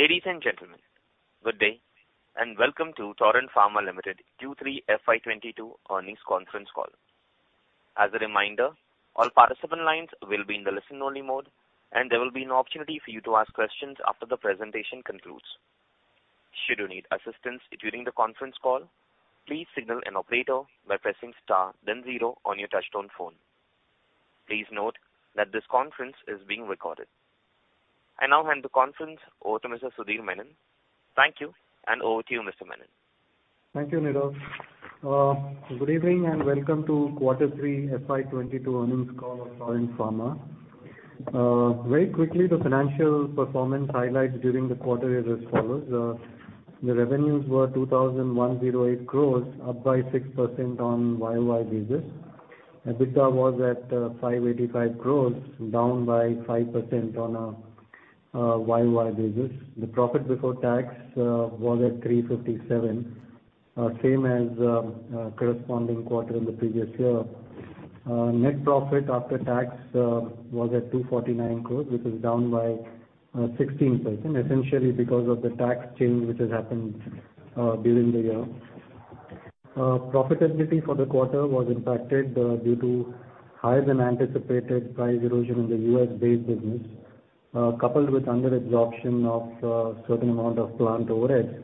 Ladies and gentlemen, good day, and welcome to Torrent Pharmaceuticals Ltd Q3 FY 2022 earnings conference call. As a reminder, all participant lines will be in the listen only mode, and there will be an opportunity for you to ask questions after the presentation concludes. Should you need assistance during the conference call, please signal an operator by pressing star then zero on your touchtone phone. Please note that this conference is being recorded. I now hand the conference over to Mr. Sudhir Menon. Thank you, and over to you, Mr. Menon. Thank you, Nirav. Good evening and welcome to quarter three FY 2022 earnings call of Torrent Pharma. Very quickly, the financial performance highlights during the quarter is as follows. The revenues were 2,108 crores, up by 6% on year-over-year basis. EBITDA was at 585 crores, down by 5% on a year-over-year basis. The profit before tax was at 357 crores, same as corresponding quarter in the previous year. Net profit after tax was at 249 crores, which is down by 16% essentially because of the tax change which has happened during the year. Profitability for the quarter was impacted due to higher than anticipated price erosion in the US-based business, coupled with under absorption of certain amount of plant overheads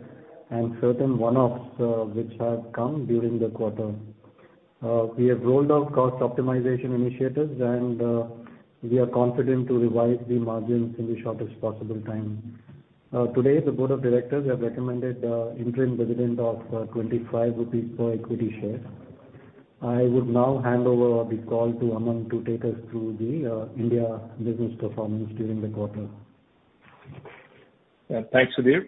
and certain one-offs, which have come during the quarter. We have rolled out cost optimization initiatives and we are confident to revise the margins in the shortest possible time. Today the board of directors have recommended interim dividend of 25 rupees per equity share. I would now hand over this call to Aman to take us through the India business performance during the quarter. Yeah. Thanks, Sudhir.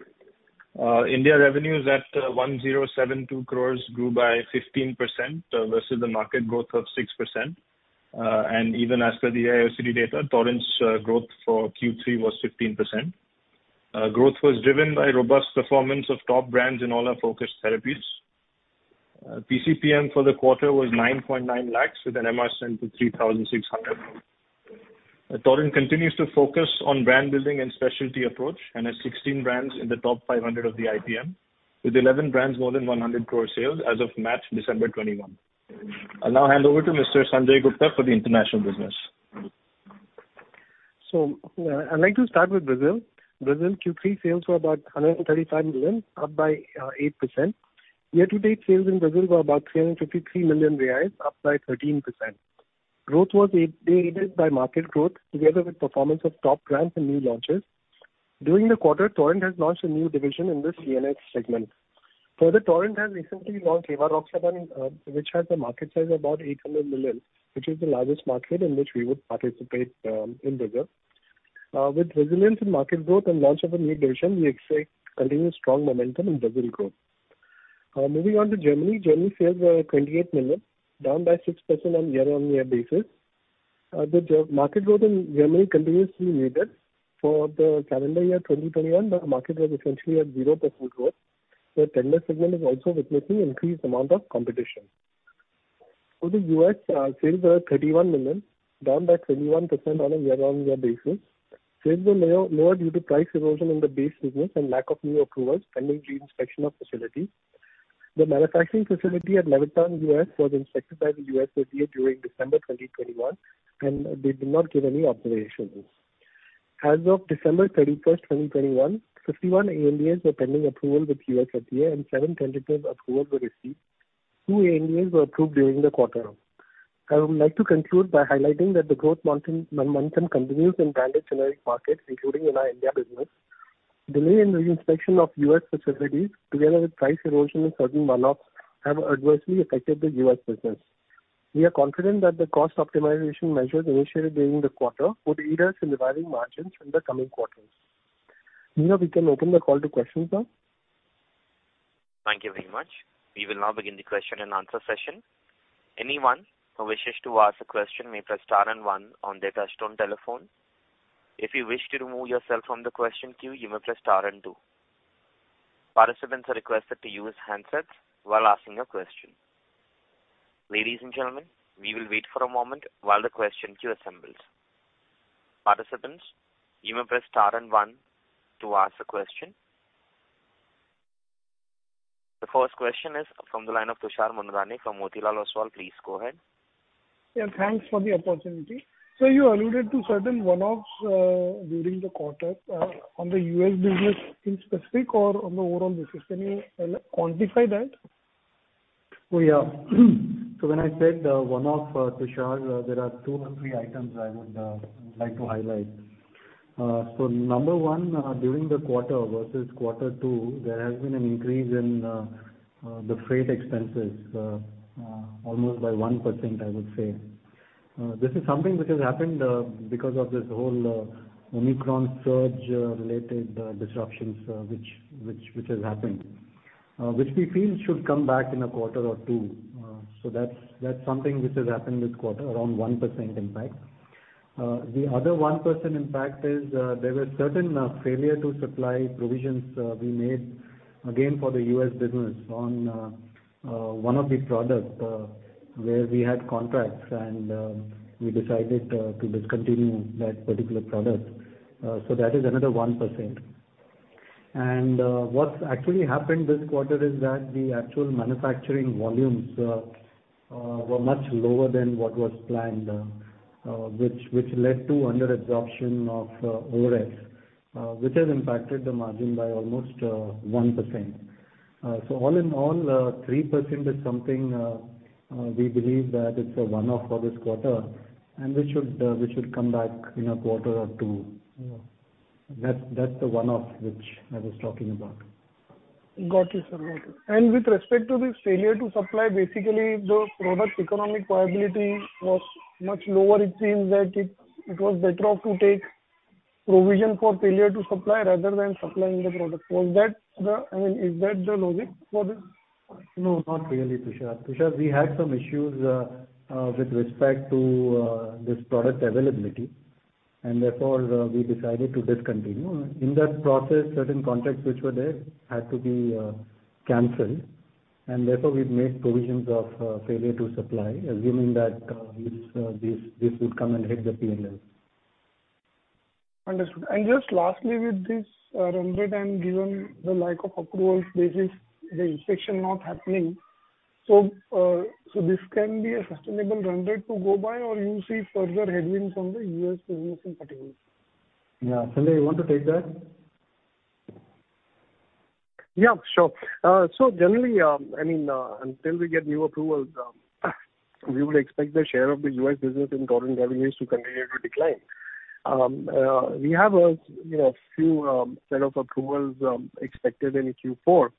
India revenues at 1,072 crores grew by 15% versus the market growth of 6%. Even as per the AIOCD data, Torrent's growth for Q3 was 15%. Growth was driven by robust performance of top brands in all our focused therapies. PCPM for the quarter was 9.9 lakhs with an MR count to 3,600. Torrent continues to focus on brand building and specialty approach and has 16 brands in the top 500 of the IPM, with 11 brands more than 100 crores sales as of March-December 2021. I'll now hand over to Mr. Sanjay Gupta for the international business. I'd like to start with Brazil. Brazil Q3 sales were about 135 million, up by 8%. Year-to-date sales in Brazil were about 353 million reais, up by 13%. Growth was aided by market growth together with performance of top brands and new launches. During the quarter, Torrent has launched a new division in the CNS segment. Further, Torrent has recently launched rivaroxaban, which has a market size of about 800 million, which is the largest market in which we would participate in Brazil. With resilience in market growth and launch of a new division, we expect continued strong momentum in Brazil growth. Moving on to Germany. Germany sales were 28 million, down by 6% on year-on-year basis. The German market growth in Germany continues to be negative. For the calendar year 2021, the market was essentially at 0% growth. The tender segment is also witnessing increased amount of competition. For the U.S., sales were $31 million, down by 21% on a year-on-year basis. Sales were lower due to price erosion in the base business and lack of new approvals pending re-inspection of facilities. The manufacturing facility at Levittown, U.S. was inspected by the U.S. FDA during December 2021, and they did not give any observations. As of December 31, 2021, 51 ANDAs were pending approval with U.S. FDA, and seven tentative approvals were received. two ANDAs were approved during the quarter. I would like to conclude by highlighting that the growth momentum continues in branded generic markets, including in our India business. Delay in the inspection of U.S. facilities together with price erosion in certain one-offs have adversely affected the U.S. business. We are confident that the cost optimization measures initiated during the quarter would aid us in reviving margins in the coming quarters. Nirav, we can open the call to questions now. Thank you very much. We will now begin the question and answer session. Anyone who wishes to ask a question may press star and one on their touchtone telephone. If you wish to remove yourself from the question queue, you may press star and two. Participants are requested to use handsets while asking a question. Ladies and gentlemen, we will wait for a moment while the question queue assembles. Participants, you may press star and one to ask a question. The first question is from the line of Tushar Manudhane from Motilal Oswal. Please go ahead. Yeah. Thanks for the opportunity. You alluded to certain one-offs during the quarter. On the U.S. business in specific or on the overall basis, can you quantify that? Oh, yeah. When I said one-off, Tushar, there are two or three items I would like to highlight. Number one, during the quarter versus quarter two, there has been an increase in the freight expenses almost by 1%, I would say. This is something which has happened because of this whole Omicron surge related disruptions which has happened which we feel should come back in a quarter or two. That's something which has happened this quarter, around 1% impact. The other 1% impact is, there were certain failure to supply provisions we made again for the U.S. business on one of the product where we had contracts and we decided to discontinue that particular product. So that is another 1%. What's actually happened this quarter is that the actual manufacturing volumes were much lower than what was planned, which led to under absorption of overheads, which has impacted the margin by almost 1%. So all in all, 3% is something we believe that it's a one-off for this quarter, and we should come back in a quarter or two. That's the one-off which I was talking about. Got you, sir. Got you. With respect to this failure to supply, basically the product economic viability was much lower it seems that it was better off to take provision for failure to supply rather than supplying the product. I mean, is that the logic for this? No, not really, Tushar. Tushar, we had some issues with respect to this product availability, and therefore we decided to discontinue. In that process, certain contracts which were there had to be canceled, and therefore, we've made provisions of failure to supply, assuming that this would come and hit the P&L. Understood. Just lastly, with this, run rate and given the lack of approvals basis, the inspection not happening, so this can be a sustainable run rate to go by or you see further headwinds from the U.S. business in particular? Yeah. Sanjay, you want to take that? Yeah, sure. Generally, I mean, until we get new approvals, we would expect the share of the U.S. business in total revenues to continue to decline. We have a you know few set of approvals expected in Q4.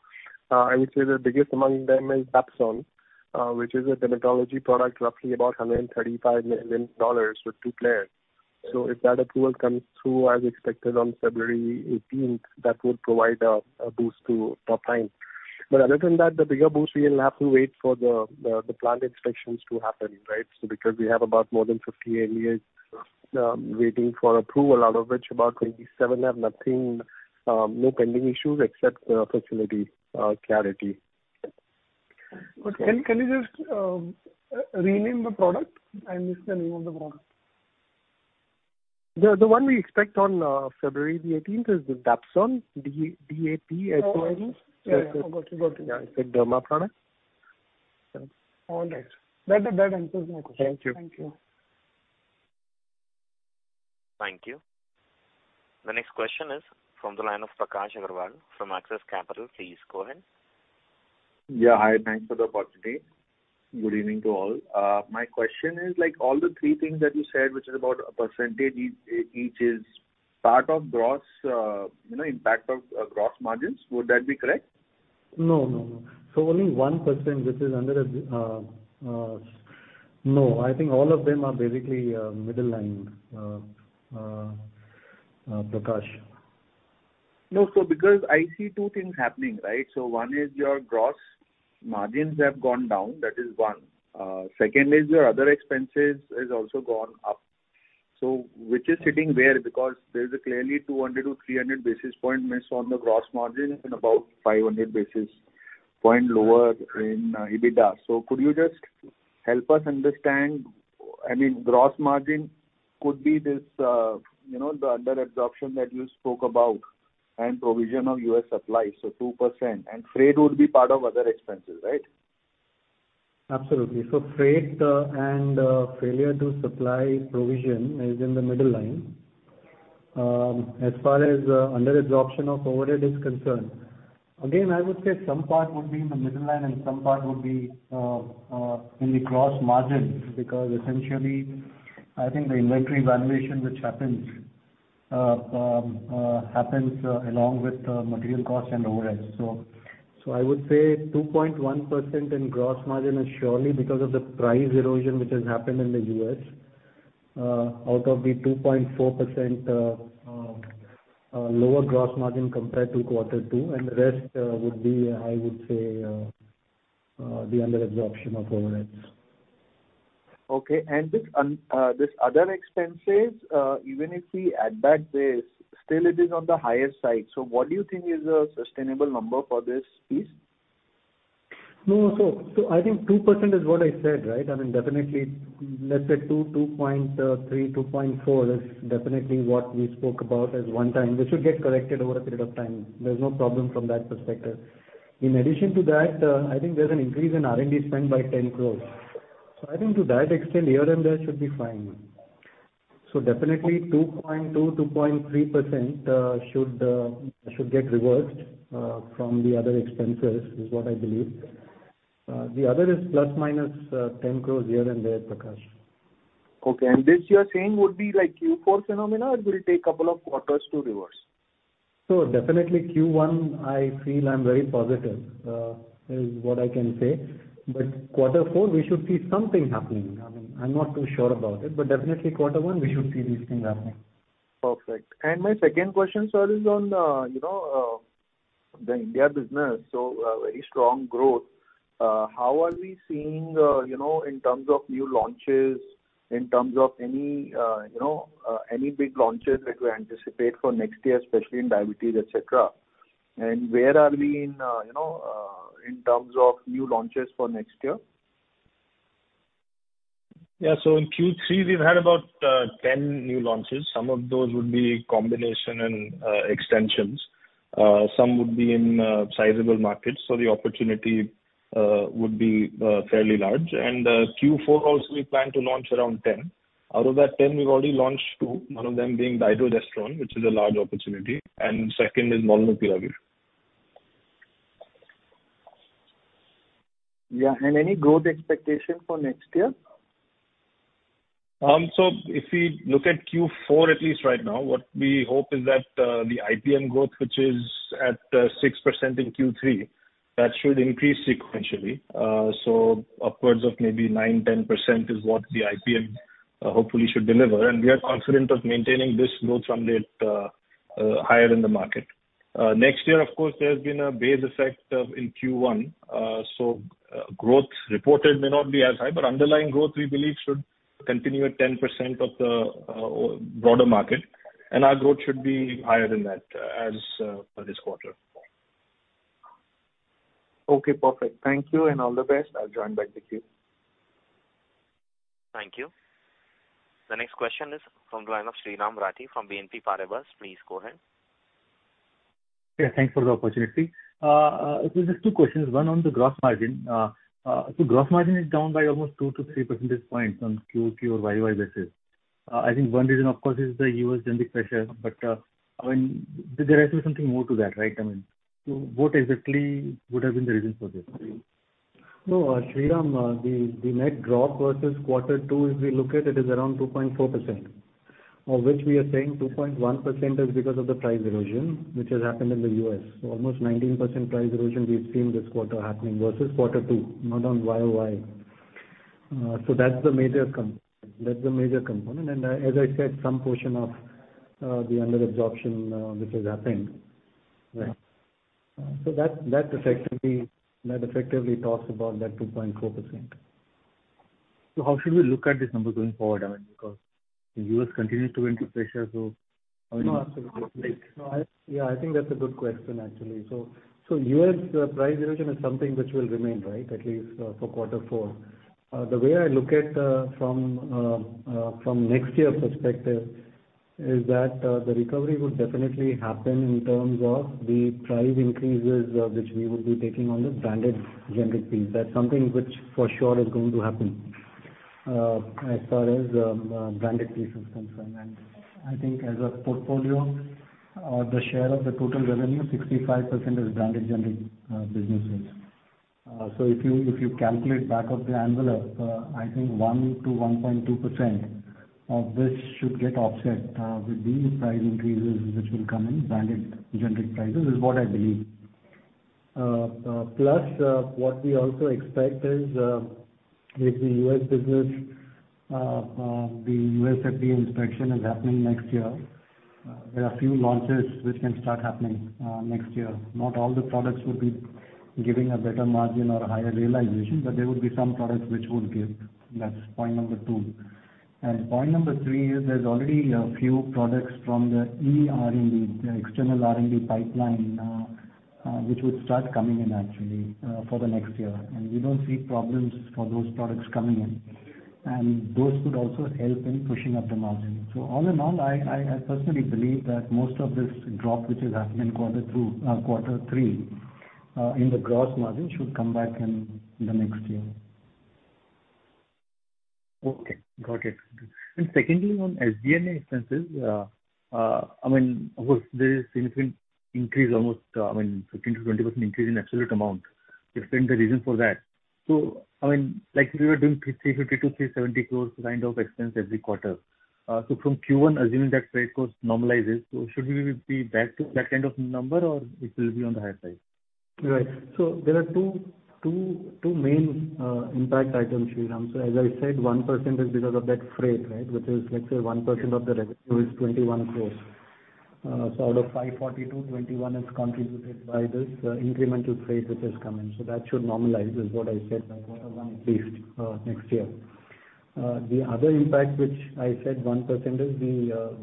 I would say the biggest among them is Dapsone, which is a dermatology product, roughly $135 million with two players. If that approval comes through as expected on February 18, that would provide a boost to top line. Other than that, the bigger boost we will have to wait for the plant inspections to happen, right? Because we have about more than 50 ANDAs waiting for approval, out of which about 27 have nothing, no pending issues except facility clearance. Can you just rename the product? I missed the name of the product. The one we expect on February the eighteenth is the Dapsone, D-A-P-S-O-N- Oh, okay. Got you. Yeah, it's a derma product. Yeah. All right. That answers my question. Thank you. Thank you. Thank you. The next question is from the line of Prakash Agarwal from Axis Capital. Please go ahead. Yeah, hi. Thanks for the opportunity. Good evening to all. My question is, like all the three things that you said, which is about a percentage each is part of gross impact of gross margins. Would that be correct? No. Only 1%, no. I think all of them are basically, Prakash. No, because I see two things happening, right? One is your gross margins have gone down. That is one. Second is your other expenses has also gone up. Which is hitting where? Because there is a clearly 200-300 basis point miss on the gross margin and about 500 basis point lower in EBITDA. Could you just help us understand? I mean, gross margin could be this, you know, the under absorption that you spoke about and provision of US supply, so 2%. And freight would be part of other expenses, right? Absolutely. Freight and failure to supply provision is in the middle line. As far as under absorption of overhead is concerned, again, I would say some part would be in the middle line and some part would be in the gross margin, because essentially I think the inventory valuation which happens along with material costs and overheads. I would say 2.1% in gross margin is surely because of the price erosion which has happened in the U.S. out of the 2.4% lower gross margin compared to quarter two, and the rest would be, I would say, the under absorption of overheads. Okay. This other expenses, even if we add back this, still it is on the higher side. What do you think is a sustainable number for this piece? No. I think 2% is what I said, right? I mean, definitely, let's say 2.3, 2.4 is definitely what we spoke about as one-time. This should get corrected over a period of time. There's no problem from that perspective. In addition to that, I think there's an increase in R&D spend by 10 crore. I think to that extent, here and there should be fine. Definitely 2.2.3% should get reversed from the other expenses, is what I believe. The other is ± 10 crore here and there, Prakash. Okay. This you are saying would be like Q4 phenomena, or it will take couple of quarters to reverse? Definitely Q1, I feel I'm very positive, is what I can say. Quarter four we should see something happening. I mean, I'm not too sure about it, but definitely quarter one we should see these things happening. Perfect. My second question, sir, is on, you know, the India business. A very strong growth. How are we seeing, you know, in terms of new launches, in terms of any, you know, any big launches that you anticipate for next year, especially in diabetes, et cetera? Where are we in, you know, in terms of new launches for next year? Yeah. In Q3, we've had about 10 new launches. Some of those would be combination and extensions. Some would be in sizable markets, so the opportunity would be fairly large. Q4 also we plan to launch around 10. Out of that 10 we've already launched two, one of them being the dydrogesterone, which is a large opportunity, and second is molnupiravir. Yeah. Any growth expectation for next year? If we look at Q4, at least right now, what we hope is that the IPM growth, which is at 6% in Q3, that should increase sequentially. Upwards of maybe 9%-10% is what the IPM hopefully should deliver. We are confident of maintaining this growth from the higher in the market. Next year, of course, there's been a base effect in Q1. Growth reported may not be as high. Underlying growth we believe should continue at 10% of the broader market. Our growth should be higher than that for this quarter. Okay, perfect. Thank you and all the best. I'll join back the queue. Thank you. The next question is from the line of Sriraam Rathi from BNP Paribas. Please go ahead. Yeah, thanks for the opportunity. It was just two questions, one on the gross margin. Gross margin is down by almost two-three percentage points on QQ or YY basis. I think 1 reason of course is the U.S. generic pressure, but, I mean, there has to be something more to that, right? I mean, so what exactly would have been the reason for this? No, Sriraam, the net drop versus quarter two if we look at it is around 2.4%. Of which we are saying 2.1% is because of the price erosion which has happened in the U.S. Almost 19% price erosion we've seen this quarter happening versus quarter two, not on YOY. That's the major component. As I said, some portion of the under-absorption which is happening. Right. That effectively talks about that 2.4%. How should we look at this number going forward? I mean, because the US continues to increase pressure. No, absolutely. No, I think that's a good question actually. So, US price erosion is something which will remain, right, at least for quarter four. The way I look at from next year perspective is that the recovery would definitely happen in terms of the price increases which we would be taking on the branded generic piece. That's something which for sure is going to happen as far as branded piece is concerned. I think as a portfolio the share of the total revenue, 65% is branded generic businesses. If you calculate back of the envelope, I think 1%-1.2% of this should get offset with these price increases which will come in branded generic prices, is what I believe. What we also expect is, with the U.S. business, the U.S. FDA inspection is happening next year. There are few launches which can start happening, next year. Not all the products will be giving a better margin or a higher realization, but there will be some products which would give. That's point number two. Point number three is there's already a few products from the eR&D, the external R&D pipeline, which would start coming in actually, for the next year. We don't see problems for those products coming in. Those could also help in pushing up the margin. All in all, I personally believe that most of this drop, which is happening quarter two, quarter three, in the gross margin should come back in the next year. Okay. Got it. Secondly, on SG&A expenses, I mean, of course there is significant increase almost, I mean 15%-20% increase in absolute amount. Explain the reason for that. I mean, like we were doing 350-370 crore kind of expense every quarter. From Q1 assuming that freight cost normalizes, should we be back to that kind of number or it will be on the higher side? Right. There are two main impact items, Shriram. As I said, 1% is because of that freight, right? Which is, let's say 1% of the revenue is 21 crore. Out of 542 crore, 21 crore is contributed by this incremental freight which has come in. That should normalize is what I said by Q1 at least next year. The other impact which I said 1% is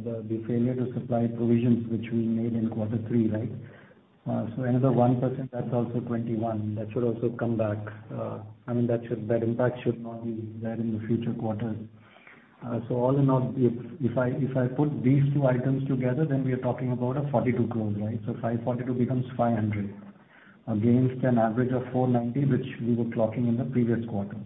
the failure to supply provisions which we made in Q3, right? Another 1%, that's also 21 crore. That should also come back. I mean, that impact should not be there in the future quarters. All in all, if I put these two items together, then we are talking about 42 crore, right? 542 becomes 500 against an average of 490, which we were clocking in the previous quarters.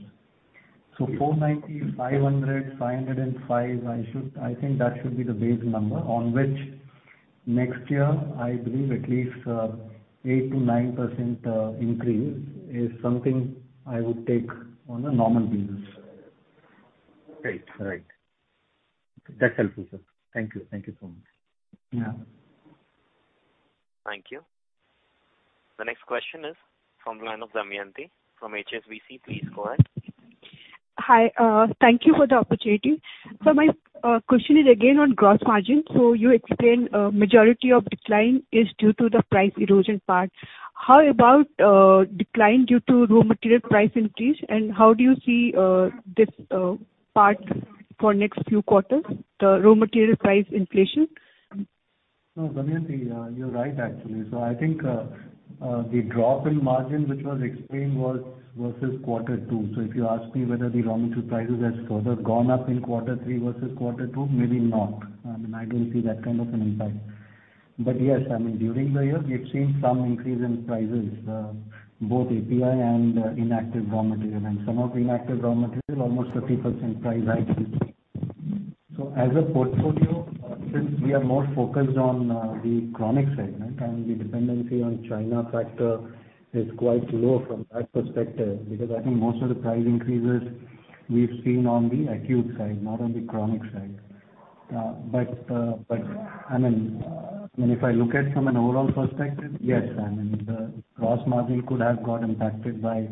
490, 500, 505, I should, I think that should be the base number on which next year I believe at least 8%-9% increase is something I would take on a normal basis. Great. Right. That's helpful, sir. Thank you. Thank you so much. Yeah. Thank you. The next question is from the line of Damayanti from HSBC. Please go ahead. Hi. Thank you for the opportunity. My question is again on gross margin. You explained majority of decline is due to the price erosion part. How about decline due to raw material price increase, and how do you see this part for next few quarters, the raw material price inflation? No, Damayanti, you're right, actually. I think the drop in margin which was explained was versus quarter two. If you ask me whether the raw material prices has further gone up in quarter three versus quarter two, maybe not. I don't see that kind of an impact. Yes, I mean, during the year we've seen some increase in prices, both API and in active raw material. Some of the inactive raw material, almost 50% price hike we've seen. As a portfolio, since we are more focused on the chronic segment and the dependency on China factor is quite low from that perspective. Because I think most of the price increases we've seen on the acute side, not on the chronic side. If I look at from an overall perspective, yes, I mean, the gross margin could have got impacted by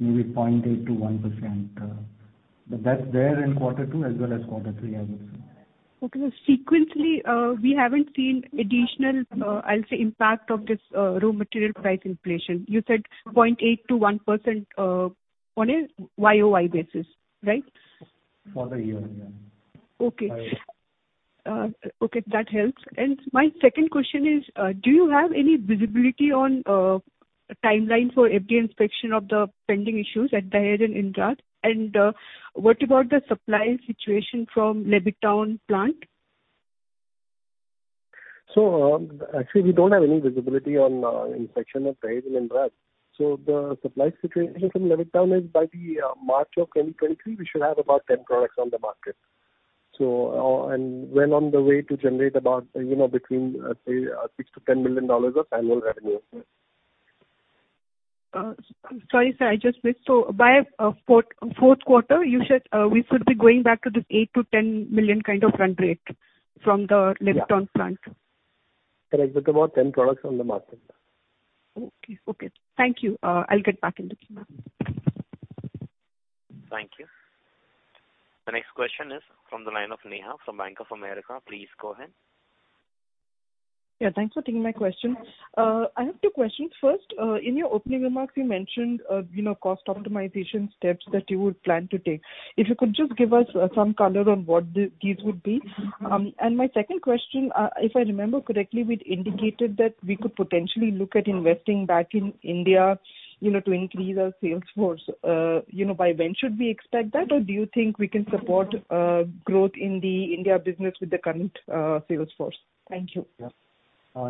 maybe 0.8%-1%, but that's there in quarter two as well as quarter three, I would say. Okay. Sequentially, we haven't seen additional, I'll say impact of this, raw material price inflation. You said 0.8%-1% on a YOY basis, right? For the year, yeah. Okay. YOY. Okay, that helps. My second question is, do you have any visibility on timeline for FDA inspection of the pending issues at Dahej and Indrad? What about the supply situation from Levittown plant? Actually we don't have any visibility on inspection at Dahej and Indrad. The supply situation from Levittown is by March 2023 we should have about 10 products on the market and well on the way to generate about, you know, between, say, $6 million-$10 million of annual revenue. Sorry, sir, I just missed. By fourth quarter you said, we should be going back to this $8 million-$10 million kind of run rate from the Levittown plant. Yeah. Correct. With about 10 products on the market. Okay. Okay. Thank you. I'll get back in the queue now. Thank you. The next question is from the line of Neha from Bank of America. Please go ahead. Yeah, thanks for taking my question. I have two questions. First, in your opening remarks you mentioned, you know, cost optimization steps that you would plan to take. If you could just give us some color on what these would be. My second question, if I remember correctly, we'd indicated that we could potentially look at investing back in India, you know, to increase our sales force. You know, by when should we expect that? Or do you think we can support growth in the India business with the current sales force? Thank you. Yeah.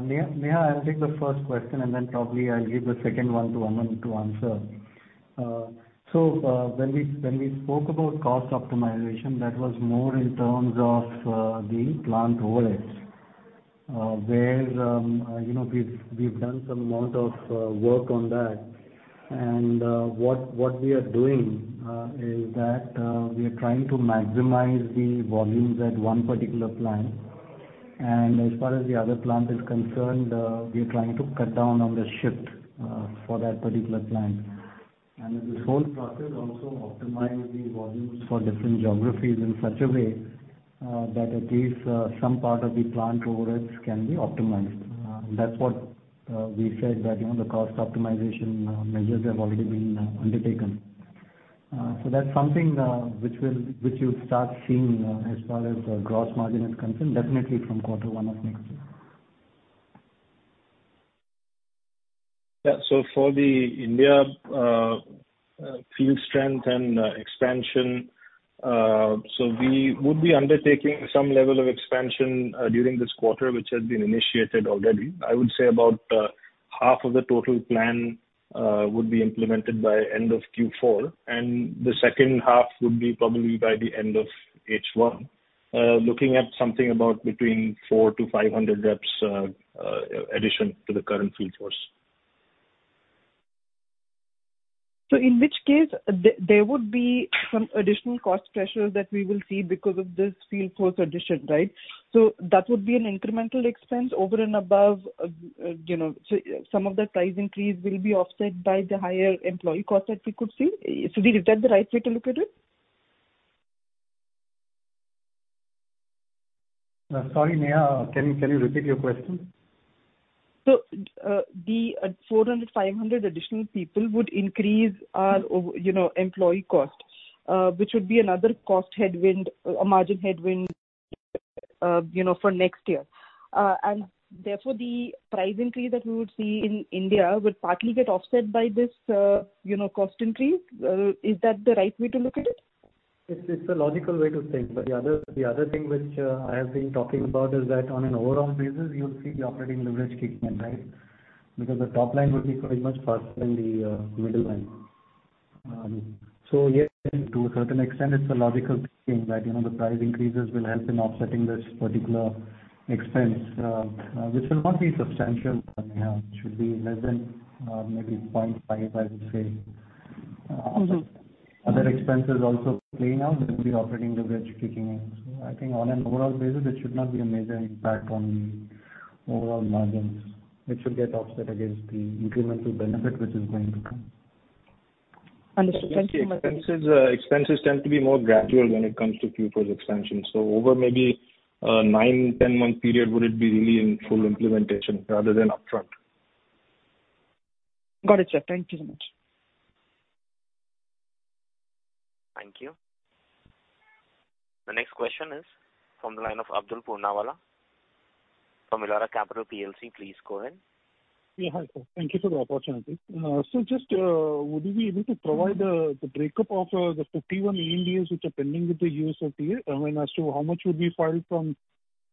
Neha, I'll take the first question, and then probably I'll give the second one to Aman to answer. So, when we spoke about cost optimization, that was more in terms of the plant overheads, where you know, we've done some amount of work on that. What we are doing is that we are trying to maximize the volumes at one particular plant. As far as the other plant is concerned, we are trying to cut down on the shift for that particular plant. In this whole process also optimize the volumes for different geographies in such a way that at least some part of the plant overheads can be optimized. That's what we said that, you know, the cost optimization measures have already been undertaken. That's something which you'll start seeing as far as gross margin is concerned, definitely from quarter one of next year. Yeah. For the India field strength and expansion, so we would be undertaking some level of expansion during this quarter, which has been initiated already. I would say about half of the total plan would be implemented by end of Q4, and the second half would be probably by the end of H1. Looking at something about between 400-500 reps addition to the current field force. In which case there would be some additional cost pressures that we will see because of this field force addition, right? That would be an incremental expense over and above, you know, so some of the price increase will be offset by the higher employee cost that we could see. Is that the right way to look at it? Sorry, Neha, can you repeat your question? The 400-500 additional people would increase our employee cost, which would be another cost headwind, a margin headwind, you know, for next year. Therefore the price increase that we would see in India would partly get offset by this, you know, cost increase. Is that the right way to look at it? It's a logical way to think. The other thing which I have been talking about is that on an overall basis you'll see the operating leverage kicking in, right? Because the top line will be growing much faster than the middle line. Yes, to a certain extent it's a logical thinking that, you know, the price increases will help in offsetting this particular expense, which will not be substantial, Neha. It should be less than maybe 0.5%. Mm-hmm. Other expenses also playing out, there will be operating leverage kicking in. I think on an overall basis it should not be a major impact on the overall margins. It should get offset against the incremental benefit which is going to come. Understood. Thank you so much. Expenses tend to be more gradual when it comes to Q4's expansion. Over maybe a nine-10-month period would it be really in full implementation rather than upfront? Got it, sir. Thank you so much. The next question is from the line of Abdulkader Puranwala from Elara Capital Plc. Please go ahead. Yeah. Hi, sir. Thank you for the opportunity. So just, would you be able to provide the breakup of the 51 ANDAs which are pending with the US FDA? I mean, as to how much would be filed from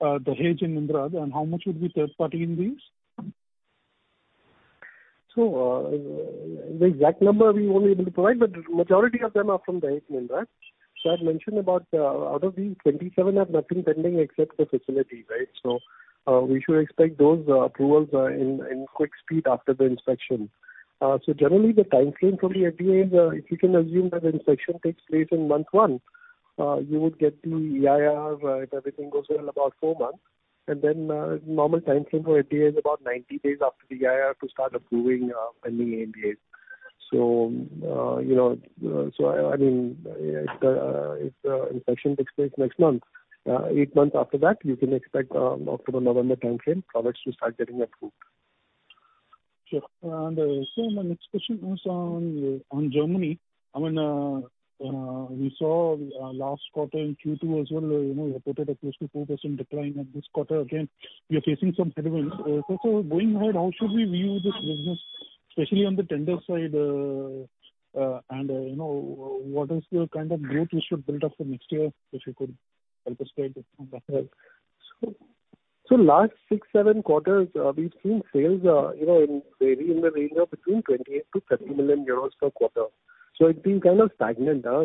Dahej and Indrad and how much would be third-party ANDAs? The exact number we won't be able to provide, but majority of them are from Dahej and Indrad. I've mentioned about, out of these, 27 have nothing pending except the facility, right? We should expect those approvals in quick time after the inspection. Generally the timeframe for the FDA is, if you can assume that inspection takes place in month one, you would get the EIR, if everything goes well, about four months. Normal timeframe for FDA is about 90 days after the EIR to start approving any ANDAs. You know, I mean, if the inspection takes place next month, eight months after that, you can expect October-November timeframe products to start getting approved. Sure. My next question was on Germany. I mean, we saw last quarter in Q2 as well, you know, you reported a close to 4% decline. This quarter again you're facing some headwinds. Going ahead, how should we view this business, especially on the tender side, and you know, what is your kind of growth you should build up for next year? If you could help us guide us from that way. Last six, seven quarters, we've seen sales, you know, vary in the range of between 28 million to 30 million euros per quarter. It's been kind of stagnant, I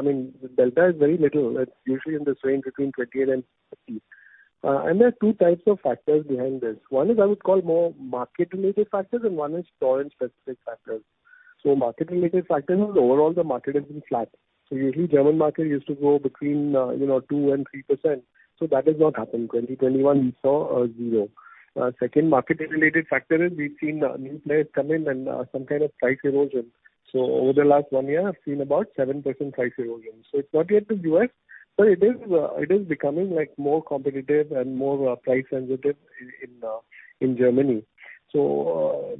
mean, the delta is very little. It's usually in this range between 28 and 30. There are two types of factors behind this. One is I would call more market related factors, and one is Torrent specific factors. Market related factors is overall the market has been flat. Usually German market used to grow between, you know, 2%-3%. That has not happened. 2021 we saw, 0. Second market related factor is we've seen, new players come in and, some kind of price erosion. Over the last one year, I've seen about 7% price erosion. It's not yet to U.S., but it is becoming, like, more competitive and more price sensitive in Germany. On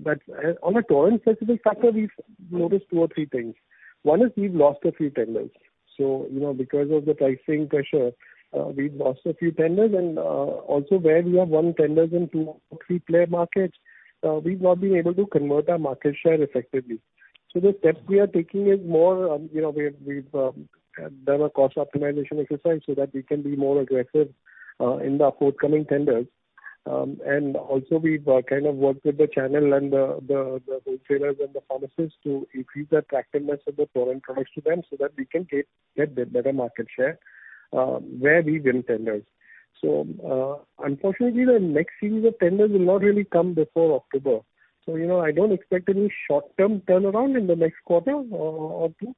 a Torrent specific factor, we've noticed two or three things. One is we've lost a few tenders. You know, because of the pricing pressure, we've lost a few tenders. Also where we have won tenders in two or three player markets, we've not been able to convert our market share effectively. The steps we are taking is more, you know, we've done a cost optimization exercise so that we can be more aggressive in the forthcoming tenders. Also we've kind of worked with the channel and the wholesalers and the pharmacists to increase the attractiveness of the Torrent products to them, so that we can get the better market share where we win tenders. Unfortunately the next series of tenders will not really come before October. You know, I don't expect any short-term turnaround in the next quarter or two.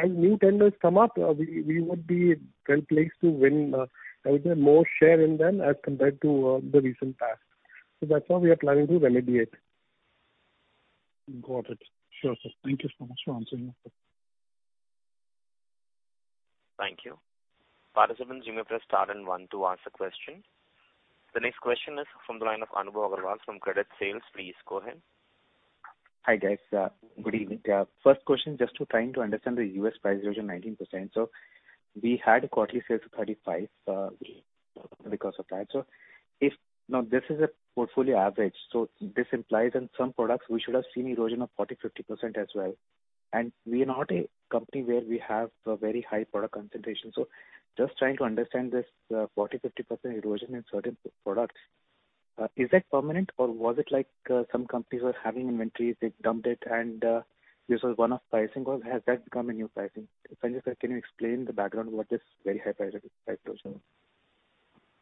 As new tenders come up, we would be well placed to win. I would say more share in them as compared to the recent past. That's how we are planning to validate. Got it. Sure, sir. Thank you so much for answering my question. Thank you. Participants, you may press star and one to ask a question. The next question is from the line of Anubhav Agarwal from Credit Suisse. Please go ahead. Hi, guys. Good evening. First question, just trying to understand the U.S. price erosion 19%. We had quarterly sales of $35 because of that. Now, this is a portfolio average, so this implies in some products we should have seen erosion of 40%-50% as well. We are not a company where we have a very high product concentration. Just trying to understand this 40%-50% erosion in certain products. Is that permanent or was it like some companies were having inventory, they dumped it and this was one-off pricing or has that become a new pricing? Sanjay sir, can you explain the background what this very high price erosion?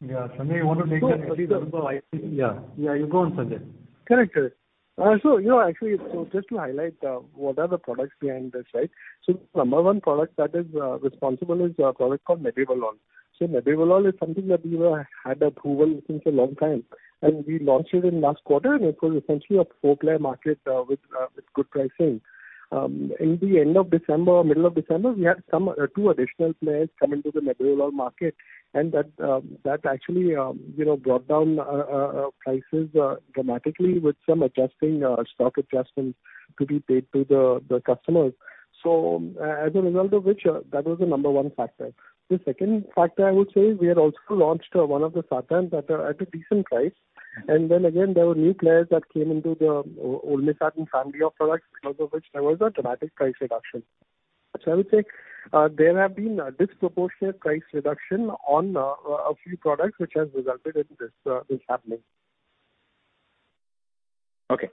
Yeah. Sanjay, you want to take that? Sure. Anubhav, yeah. You go on, Sanjay. Correct. You know, actually, just to highlight what are the products behind this, right? Number one product that is responsible is a product called Nebivolol. Nebivolol is something that had approval since a long time, and we launched it in last quarter and it was essentially a four-player market with good pricing. In the end of December or middle of December, we had some two additional players come into the Nebivolol market, and that actually, you know, brought down prices dramatically with some adjusting stock adjustments to be paid to the customers. As a result of which, that was the number one factor. The second factor I would say we had also launched one of the statins at a decent price. Then again, there were new players that came into the Olmesartan family of products because of which there was a dramatic price reduction. I would say there have been a disproportionate price reduction on a few products which has resulted in this happening. Okay.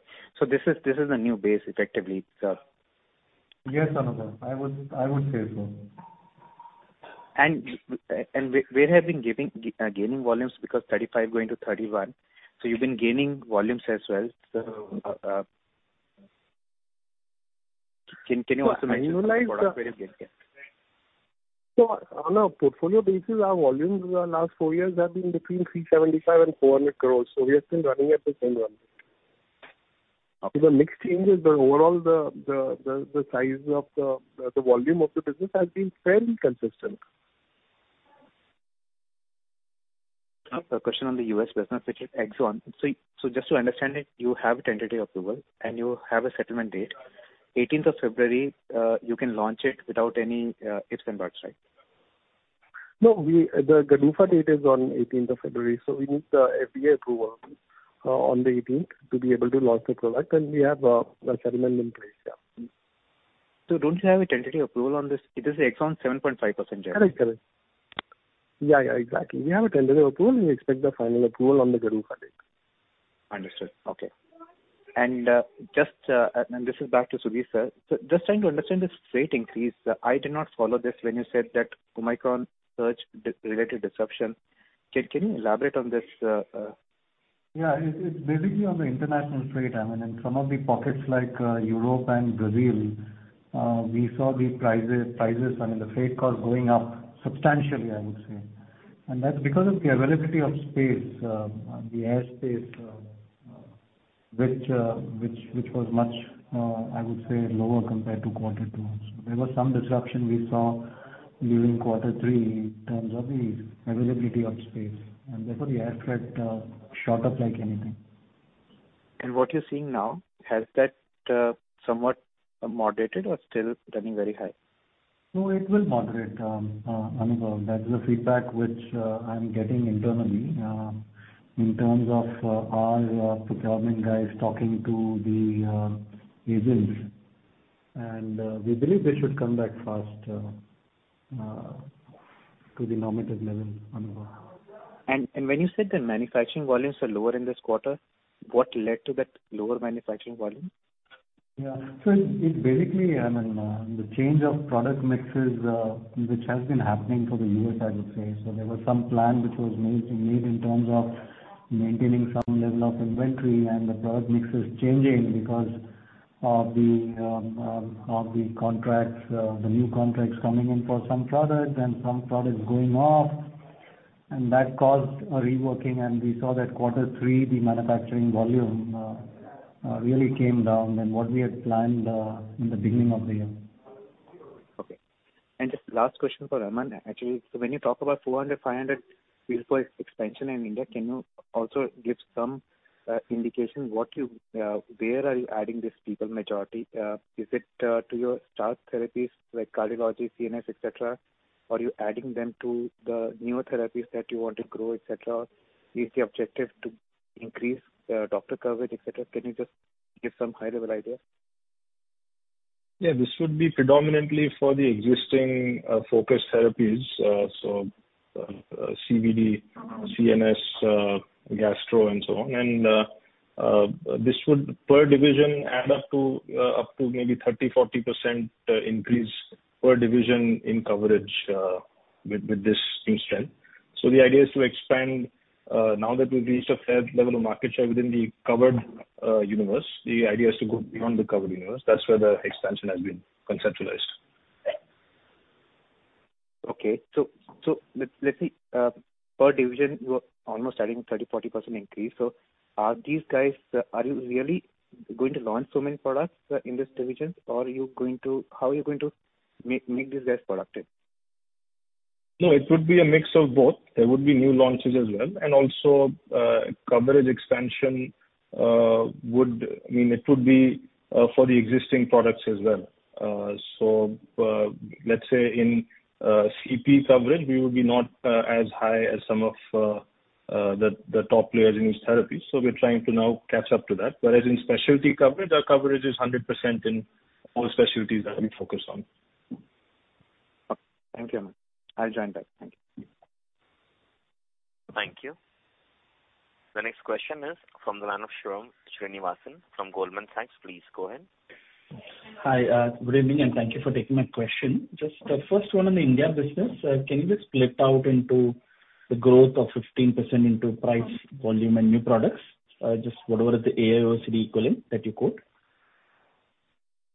This is a new base effectively, sir. Yes, Anubhav. I would say so. Where have you been gaining volumes because 35 going to 31? You've been gaining volumes as well. Can you also mention the product where you gained? On a portfolio basis, our volumes last four years have been between 375 crores and 400 crores. We are still running at the same run rate. After the mix changes, the overall size of the volume of the business has been fairly consistent. A question on the U.S. business, which is Dapsone. Just to understand it, you have tentative approval and you have a settlement date eighteenth of February, you can launch it without any ifs and buts, right? No, the GDUFA date is on eighteenth of February, so we need the FDA approval on the eighteenth to be able to launch the product. We have the settlement in place, yeah. Don't you have a tentative approval on this? It is Aczone 7.5%, yeah. Correct. Yeah, exactly. We have a tentative approval, and we expect the final approval on the GDUFA date. Understood. Okay. This is back to Sudhir Menon, sir. Just trying to understand this freight increase. I did not follow this when you said that Omicron surged-related disruption. Can you elaborate on this. Yeah. It's basically on the international freight. I mean, in some of the pockets like Europe and Brazil, we saw the prices and the freight cost going up substantially, I would say. That's because of the availability of space, the airspace, which was much lower compared to quarter two, I would say. There was some disruption we saw during quarter three in terms of the availability of space, and therefore the air freight shot up like anything. What you're seeing now, has that somewhat moderated or still running very high? No, it will moderate, Anubhav. That's the feedback which I'm getting internally, in terms of, our procurement guys talking to the, agents. We believe they should come back fast, to the nominated level, Anubhav. When you said the manufacturing volumes are lower in this quarter, what led to that lower manufacturing volume? It basically, I mean, the change of product mixes which has been happening for years, I would say. There was some plan which was made in terms of maintaining some level of inventory and the product mix is changing because of the contracts, the new contracts coming in for some products and some products going off and that caused a reworking. We saw that quarter three, the manufacturing volume really came down from what we had planned in the beginning of the year. Okay. Just last question for Aman. Actually, so when you talk about 400-500 people expansion in India, can you also give some indication where are you adding these people majority? Is it to your core therapies like cardiology, CNS, et cetera? Are you adding them to the newer therapies that you want to grow, et cetera? Is the objective to increase doctor coverage, et cetera? Can you just give some high level idea? Yeah. This would be predominantly for the existing focused therapies. CVD, CNS, gastro and so on. This would per division add up to up to maybe 30%-40% increase per division in coverage with this new strength. The idea is to expand now that we've reached a fair level of market share within the covered universe. The idea is to go beyond the covered universe. That's where the expansion has been conceptualized. Okay. Let's say per division you are almost adding 30%-40% increase. Are you really going to launch so many products in this division or how are you going to make this less productive? No, it would be a mix of both. There would be new launches as well, and also coverage expansion. I mean, it would be for the existing products as well. Let's say in GP coverage we would be not as high as some of the top players in this therapy. We're trying to now catch up to that. Whereas in specialty coverage, our coverage is 100% in all specialties that we focus on. Okay. Thank you, Aman. I'll join back. Thank you. Thank you. The next question is from the line of Shyam Srinivasan from Goldman Sachs. Please go ahead. Hi, good evening, and thank you for taking my question. Just, first one on the India business. Can you just split out into the growth of 15% into price, volume, and new products? Just whatever the AIOCD equivalent that you quote.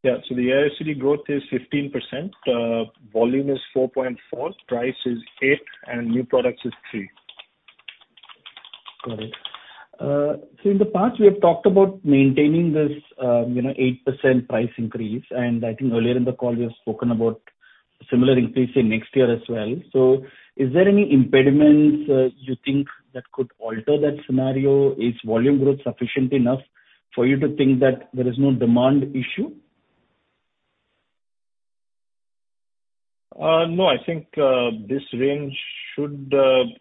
Yeah. The AIOCD growth is 15%, volume is 4.4%, price is 8%, and new products is 3%. Got it. In the past, we have talked about maintaining this, you know, 8% price increase, and I think earlier in the call you have spoken about similar increase in next year as well. Is there any impediments you think that could alter that scenario? Is volume growth sufficient enough for you to think that there is no demand issue? No, I think this range should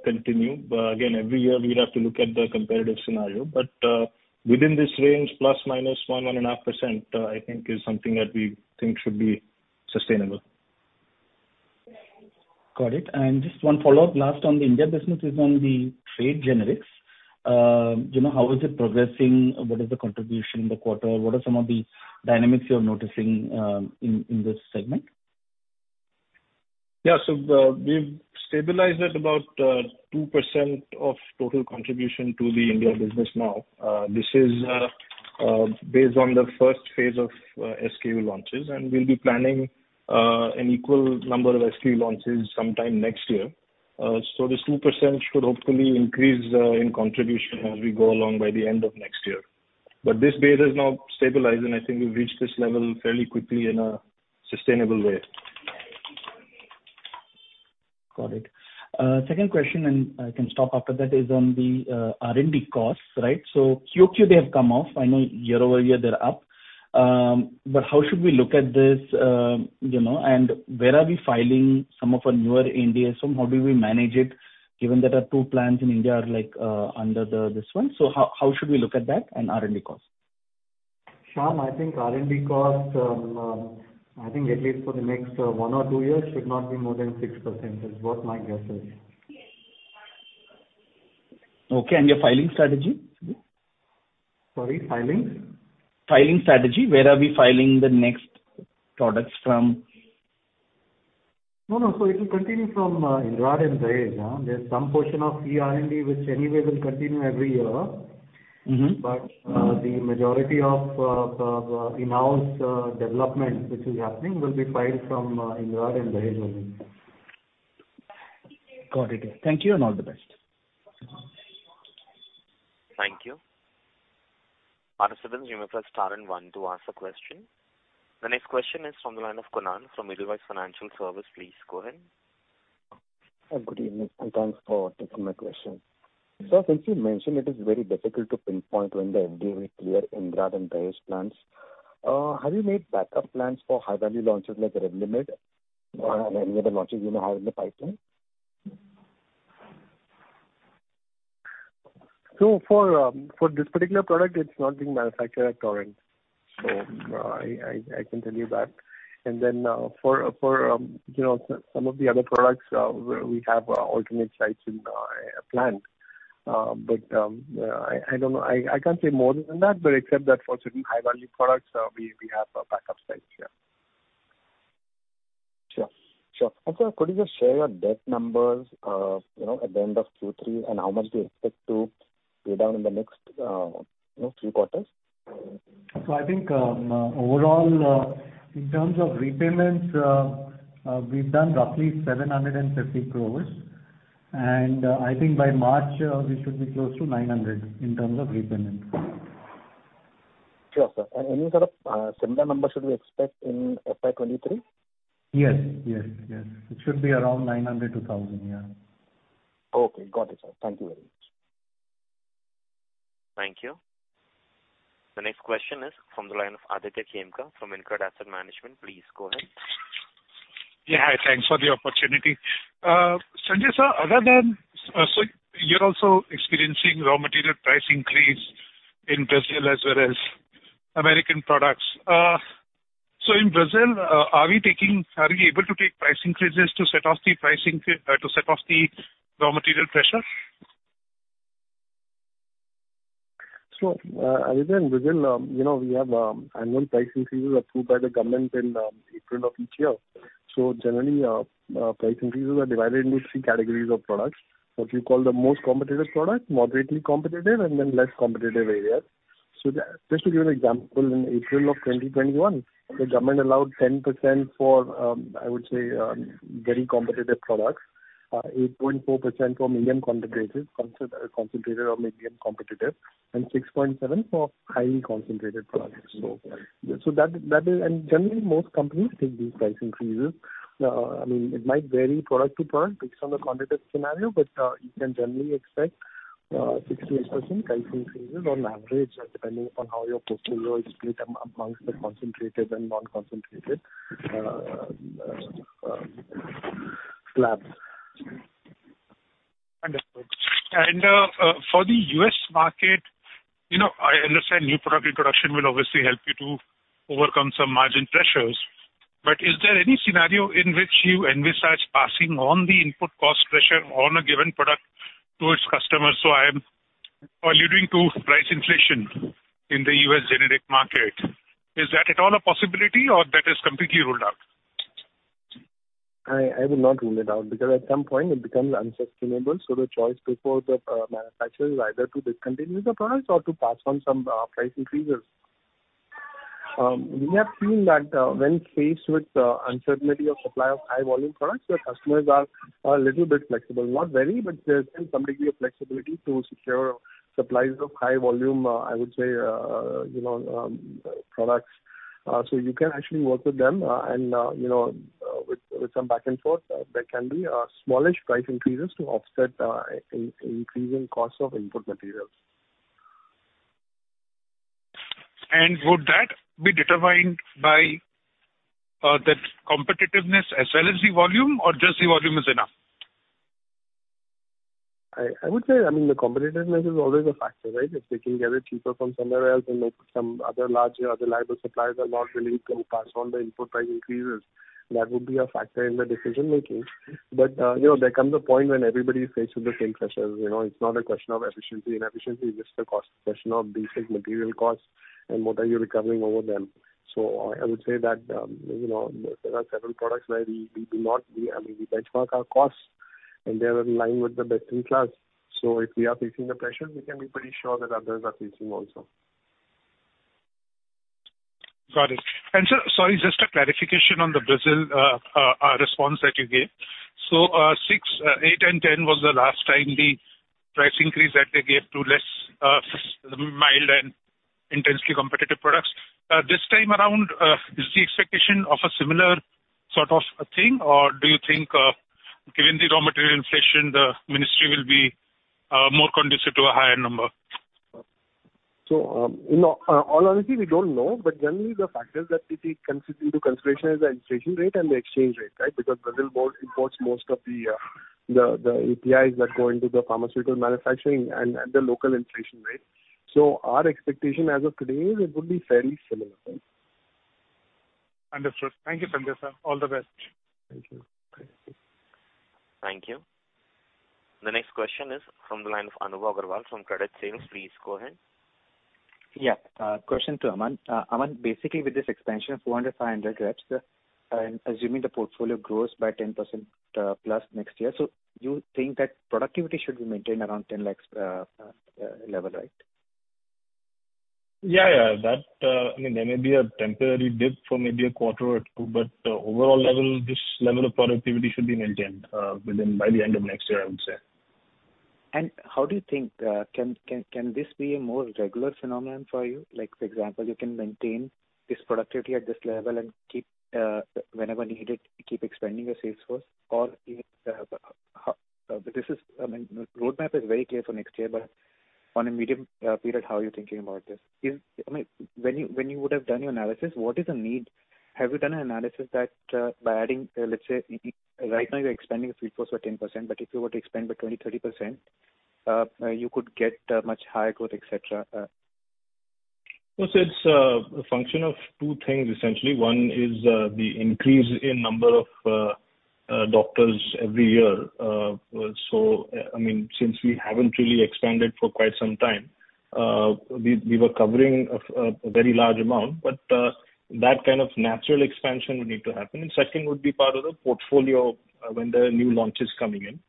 continue. Again, every year we'd have to look at the comparative scenario. Within this range, ±1.5%, I think is something that we think should be sustainable. Got it. Just one follow-up last on the India business is on the trade generics. You know, how is it progressing? What is the contribution in the quarter? What are some of the dynamics you're noticing in this segment? We've stabilized at about 2% of total contribution to the India business now. This is based on the first phase of SKU launches, and we'll be planning an equal number of SKU launches sometime next year. This 2% should hopefully increase in contribution as we go along by the end of next year. This base is now stabilized, and I think we've reached this level fairly quickly in a sustainable way. Got it. Second question, and I can stop after that, is on the R&D costs, right? QQ, they have come off. I know year-over-year they're up. How should we look at this, you know, and where are we filing some of our newer ANDAs, so how do we manage it given that our two plants in India are like under the this one. How should we look at that and R&D costs? Shyam, I think R&D costs at least for the next one or two years should not be more than 6% is what my guess is. Okay, your filing strategy? Sorry, filings? Filing strategy. Where are we filing the next products from? No, no. It will continue from Indrad and Dahej. There's some portion of eR&D which anyway will continue every year. Mm-hmm. The majority of in-house development which is happening will be filed from Indrad and Dahej only. Got it. Thank you, and all the best. Thank you. Participants, you may press star and one to ask a question. The next question is from the line of Kunal from Edelweiss Financial Services. Please go ahead. Good evening, and thanks for taking my question. Since you mentioned it is very difficult to pinpoint when the FDA will clear Indrad and Dahej plants, have you made backup plans for high-value launches like the Revlimid or any other launches you now have in the pipeline? For this particular product, it's not being manufactured at Torrent. I can tell you that. You know, some of the other products, we have alternate sites in our plant. I don't know. I can't say more than that, but except that for certain high-value products, we have backup sites, yeah. Sure. Sir, could you just share your debt numbers at the end of Q3, and how much do you expect to pay down in the next three quarters? I think overall, in terms of repayments, we've done roughly 750 crores. I think by March, we should be close to 900 crores in terms of repayments. Sure, sir. Any sort of similar numbers should we expect in FY 2023? Yes. Yes. Yes. It should be around 900-1,000, yeah. Okay. Got it, sir. Thank you very much. Thank you. The next question is from the line of Aditya Khemka from InCred Asset Management. Please go ahead. Yeah. Hi, thanks for the opportunity. Sanjay, sir, you're also experiencing raw material price increase in Brazil as well as American products. In Brazil, are we able to take price increases to set off the raw material pressure? Aditya, in Brazil, you know, we have annual price increases approved by the government in April of each year. Generally, price increases are divided into three categories of products. What you call the most competitive product, moderately competitive, and then less competitive areas. Just to give you an example, in April 2021, the government allowed 10% for, I would say, very competitive products, 8.4% for medium competitive, concentrated or medium competitive, and 6.7% for highly concentrated products. That is. Generally, most companies take these price increases. I mean, it might vary product to product based on the competitive scenario, but you can generally expect 6%-8% price increases on average, depending on how your portfolio is split amongst the concentrated and non-concentrated labs. Understood. For the U.S. market, you know, I understand new product introduction will obviously help you to overcome some margin pressures. Is there any scenario in which you envisage passing on the input cost pressure on a given product to its customers? I am alluding to price inflation in the U.S. generic market. Is that at all a possibility, or that is completely ruled out? I will not rule it out because at some point it becomes unsustainable, so the choice before the manufacturer is either to discontinue the products or to pass on some price increases. We have seen that when faced with uncertainty of supply of high volume products, your customers are a little bit flexible. Not very, but there's been some degree of flexibility to secure supplies of high volume, I would say, you know, products. So you can actually work with them and you know, with some back and forth, there can be smallish price increases to offset increasing costs of input materials. Would that be determined by that competitiveness as well as the volume, or just the volume is enough? I would say, I mean, the competitiveness is always a factor, right? If they can get it cheaper from somewhere else and, like, some other larger, other reliable suppliers are not really pass on the input price increases, that would be a factor in the decision-making. You know, there comes a point when everybody is faced with the same pressures. You know, it's not a question of efficiency, it's just a cost question of basic material costs and what are you recovering over them. I would say that, you know, there are several products where we benchmark our costs, and they're in line with the best in class. If we are facing the pressures, we can be pretty sure that others are facing also. Got it. Sir, sorry, just a clarification on the Brazil response that you gave. 6%, 8% and 10% was the last time the price increase that they gave to less somewhat mild and intensely competitive products. This time around, is the expectation of a similar sort of thing, or do you think, given the raw material inflation, the ministry will be more conducive to a higher number? In all honesty, we don't know. Generally, the factors that we take into consideration is the inflation rate and the exchange rate, right? Because Brazil imports most of the APIs that go into the pharmaceutical manufacturing and the local inflation rate. Our expectation as of today is it would be fairly similar. Understood. Thank you, Sanjay sir. All the best. Thank you. Bye. Thank you. The next question is from the line of Anubhav Agarwal from Credit Suisse. Please go ahead. Yeah. Question to Aman. Aman, basically with this expansion of 400-500 reps, and assuming the portfolio grows by 10% plus next year, so you think that productivity should be maintained around 10 lakhs level, right? Yeah, yeah. That, I mean, there may be a temporary dip for maybe a quarter or two, but overall level, this level of productivity should be maintained within, by the end of next year, I would say. How do you think can this be a more regular phenomenon for you? Like for example, you can maintain this productivity at this level and keep whenever needed keep expanding your sales force or, you know, how this is, I mean, roadmap is very clear for next year, but on a medium-term period, how are you thinking about this? Is, I mean, when you would have done your analysis, what is the need? Have you done an analysis that by adding, let's say, right now you're expanding your sales force by 10%, but if you were to expand by 20%, 30%, you could get much higher growth, et cetera? Well, it's a function of two things essentially. One is the increase in number of doctors every year. I mean, since we haven't really expanded for quite some time, we were covering a very large amount. That kind of natural expansion would need to happen. Second would be part of the portfolio when there are new launches coming in.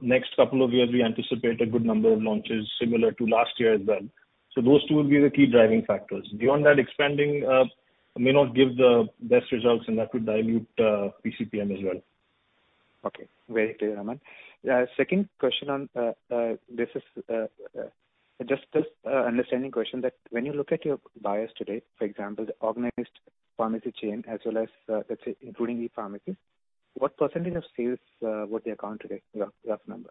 Next couple of years we anticipate a good number of launches similar to last year as well. Those two would be the key driving factors. Beyond that, expanding may not give the best results and that would dilute PCPM as well. Okay. Very clear, Aman. Second question on this understanding question that when you look at your buyers today, for example, the organized pharmacy chain as well as, let's say including e-pharmacy, what percentage of sales would they account today, rough number?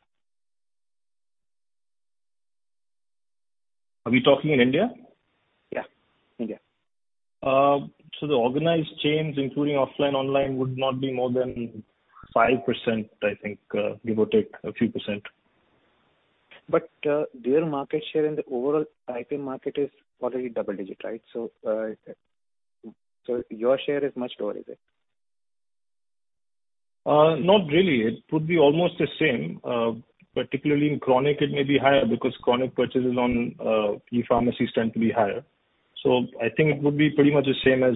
Are we talking in India? Yeah, India. The organized chains, including offline, online, would not be more than 5%, I think. Give or take a few %. Their market share in the overall IPM market is already double digit, right? So, your share is much lower, is it? Not really. It would be almost the same. Particularly in chronic, it may be higher because chronic purchases on e-pharmacies tend to be higher. I think it would be pretty much the same as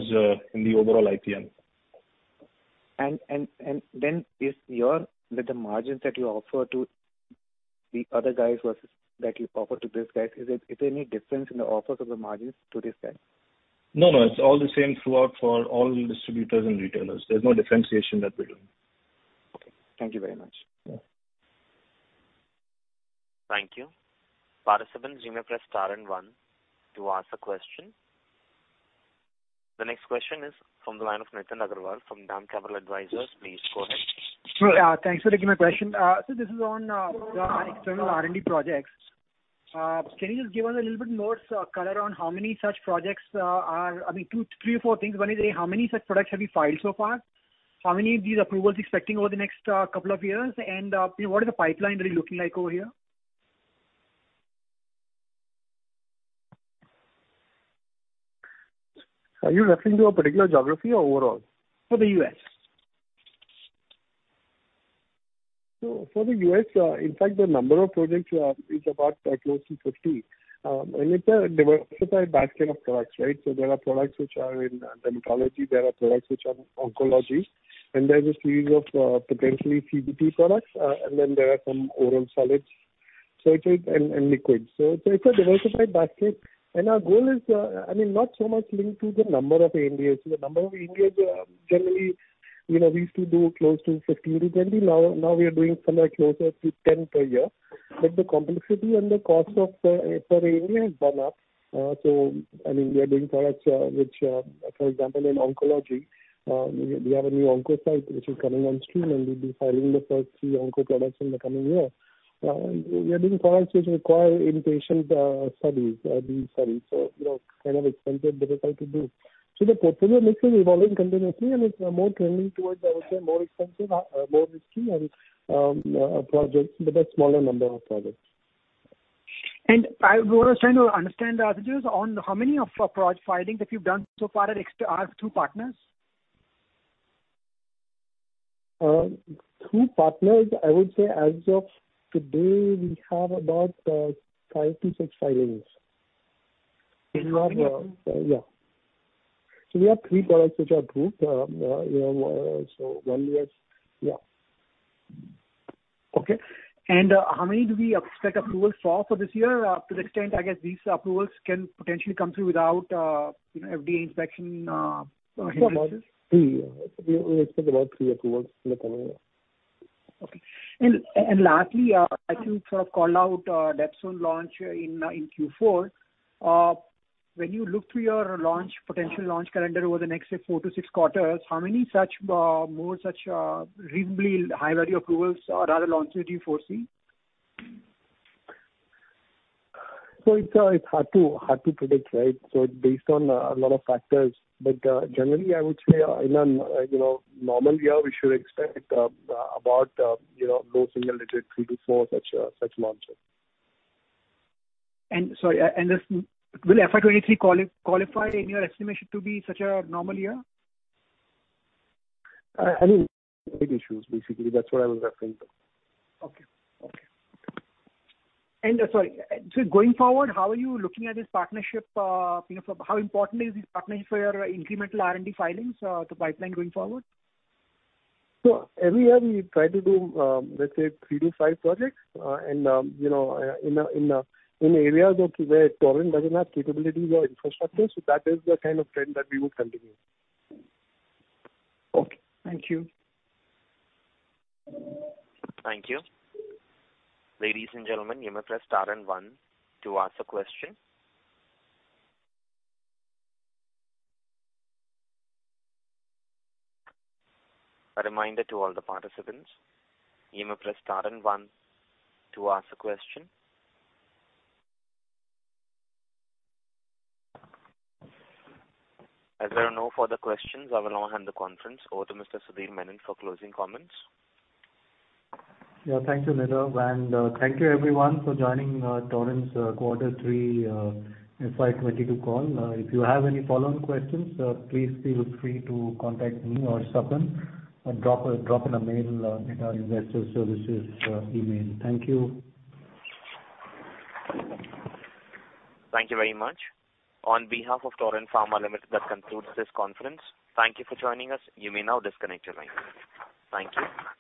in the overall IPM. That the margins that you offer to the other guys versus that you offer to this guy, is there any difference in the offers of the margins to this guy? No, no. It's all the same throughout for all distributors and retailers. There's no differentiation that we're doing. Okay. Thank you very much. Yeah. Thank you. Participant line, press star and one to ask a question. The next question is from the line of Nitin Agarwal from DAM Capital Advisors. Please go ahead. Sure. Yeah. Thanks for taking my question. So, this is on the external R&D projects. Can you just give us a little bit more color on how many such projects are? I mean, two, three or four things. One is how many such products have you filed so far? How many of these approvals are you expecting over the next couple of years? And you know, what is the pipeline really looking like over here? Are you referring to a particular geography or overall? For the U.S. For the U.S., in fact the number of projects is about close to 50. It's a diversified basket of products, right? There are products which are in dermatology, there are products which are oncology, and there's a series of potentially CBER products, and then there are some oral solids and liquids. It's a diversified basket. Our goal is, I mean, not so much linked to the number of ANDAs. The number of ANDAs, generally, you know, we used to do close to 50-20. Now we are doing somewhere closer to 10 per year. The complexity and the cost of per ANDA has gone up. I mean, we are doing products, which, for example, in oncology, we have a new onco site which is coming on stream, and we'll be filing the first three onco products in the coming year. We are doing products which require in-patient studies. You know, kind of expensive, difficult to do. The portfolio mix is evolving continuously and it's more trending towards, I would say, more expensive, more risky and projects, but a smaller number of projects. I was trying to understand, just on how many of the product filings that you've done so far are through partners? Through partners, I would say as of today, we have about five-sixfilings. In your- Yeah. We have three products which are approved. You know, one we have. Yeah. Okay. How many do we expect approvals for this year? To the extent, I guess these approvals can potentially come through without, you know, FDA inspection, hindrances. 3. We expect about 3 approvals in the coming year. Okay. Lastly, I think sort of call out Dapsone launch in Q4. When you look through your launch potential launch calendar over the next, say, four to six quarters, how many more such reasonably high value approvals or rather launches do you foresee? It's hard to predict, right? Based on a lot of factors, but generally I would say in a, you know, normal year, we should expect about, you know, low single digit, three-four such launches. Will FY 2023 qualify in your estimation to be such a normal year? I mean, issues basically. That's what I was referring to. Okay. Sorry. Going forward, how are you looking at this partnership, you know, how important is this partnership for your incremental R&D filings, the pipeline going forward? Every year we try to do, let's say 3-5 projects, and, you know, in areas where Torrent doesn't have capabilities or infrastructure. That is the kind of trend that we would continue. Okay. Thank you. Thank you. Ladies and gentlemen, you may press star and one to ask a question. A reminder to all the participants, you may press star and one to ask a question. As there are no further questions, I will now hand the conference over to Mr. Sudhir Menon for closing comments. Yeah, thank you, Nirav, and thank you everyone for joining Torrent's quarter three FY 2022 call. If you have any follow-on questions, please feel free to contact me or Sapan or drop a mail at our investor services email. Thank you. Thank you very much. On behalf of Torrent Pharmaceuticals Ltd, that concludes this conference. Thank you for joining us. You may now disconnect your line. Thank you.